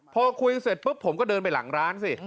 พอคุยเสร็จปุ๊บผมก็เดินไปหลังร้านสิ